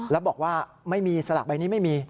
แล้วบอกว่าไม่มีสลากใบนี้ไม่มี